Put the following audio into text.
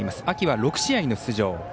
秋は６試合の出場。